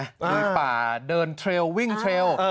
ในป่าเดินเทรลวิ่งเทรล